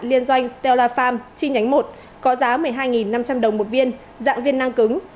liên doanh stella farm chi nhánh một có giá một mươi hai năm trăm linh đồng một viên dạng viên năng cứng